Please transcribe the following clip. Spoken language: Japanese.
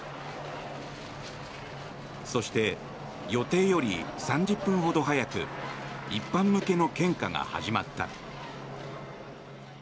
そして、予定より３０分ほど早く一般向けの献花が始まった。